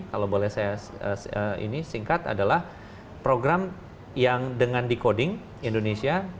kalau boleh saya singkat adalah program yang dengan decoding indonesia